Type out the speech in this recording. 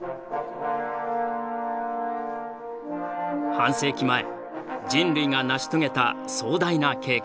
半世紀前人類が成し遂げた壮大な計画。